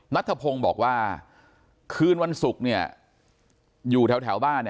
นัทธพงศ์บอกว่าคืนวันศุกร์อยู่แถวบ้าน